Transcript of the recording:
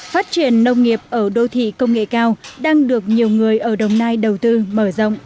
phát triển nông nghiệp ở đô thị công nghệ cao đang được nhiều người ở đồng nai đầu tư mở rộng